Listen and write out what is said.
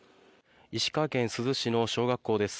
石川県珠洲市の小学校です。